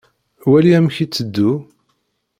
Wali amek i itteddu.